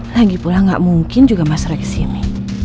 lagipula nggak mungkin juga mas roy kesini